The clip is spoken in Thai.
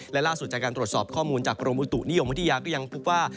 และล่าสุดจากการตรวจสอบข้อมูลจากกรมอุตุนิยมวิทยาก็ยังพบว่า